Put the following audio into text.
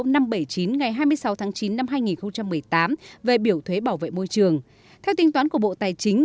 năm trăm bảy mươi chín ngày hai mươi sáu tháng chín năm hai nghìn một mươi tám về biểu thuế bảo vệ môi trường theo tính toán của bộ tài chính